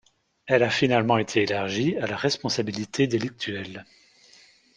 Elle a finalement été élargie à la responsabilité délictuelle.